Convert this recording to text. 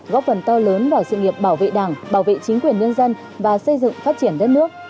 góp phần to lớn vào sự nghiệp bảo vệ đảng bảo vệ chính quyền nhân dân và xây dựng phát triển đất nước